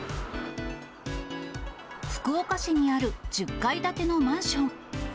福岡市にある１０階建てのマンション。